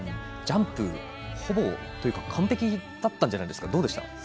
ジャンプ、ほぼというか完璧だったんじゃないですか？